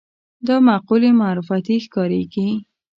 دا مقولې معرفتي ښکارېږي